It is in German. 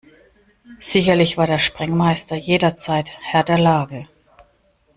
Sicherlich war der Sprengmeister jederzeit Herr der Lage.